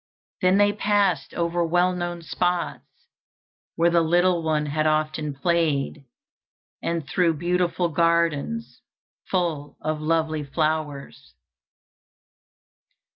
Then they passed over well known spots, where the little one had often played, and through beautiful gardens full of lovely flowers.